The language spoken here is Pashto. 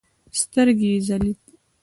سترګې يې ځلېدې.